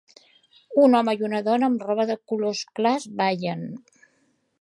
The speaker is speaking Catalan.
Un home i una dona amb roba de colors clars ballen.